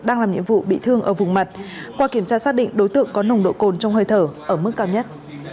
đang làm nhiệm vụ bị thương ở vùng mặt qua kiểm tra xác định đối tượng có nồng độ cồn trong hơi thở ở mức cao nhất